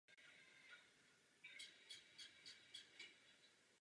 V současné době je částí obce Roztoky v okrese Rakovník.